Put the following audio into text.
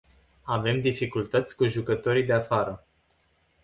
Avem dificultăți cu jucătorii de afară.